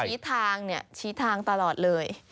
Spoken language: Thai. คุณอะชี้ทางชี้ทางตลอดเลย